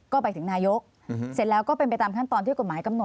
ก็ไปถึงนายกเสร็จแล้วก็เป็นไปตามขั้นตอนที่กฎหมายกำหนด